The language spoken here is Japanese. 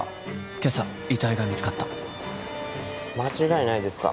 ☎今朝遺体が見つかった間違いないですか？